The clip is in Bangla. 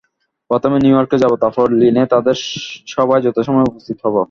প্রথমে নিউ ইয়র্কে যাব, তারপর লীনে তাদের সভায় যথাসময়ে উপস্থিত হব।